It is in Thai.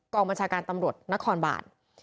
บัญชาการตำรวจนครบาล